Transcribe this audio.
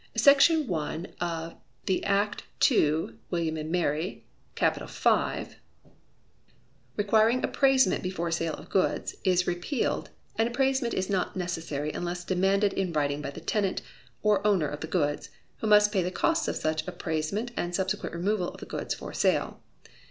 Section 1 of the Act 2 W. and M., cap. 5, requiring appraisement before sale of goods, is repealed, and appraisement is not necessary unless demanded in writing by the tenant, or owner of the goods, who must pay the cost of such appraisement and subsequent removal of goods for sale.